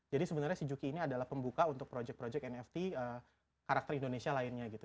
jadi sebenarnya si juki ini adalah pembuka untuk projek projek nft karakter indonesia lainnya gitu